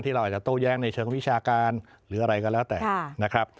เราอาจจะโต้แย้งในเชิงวิชาการหรืออะไรก็แล้วแต่นะครับ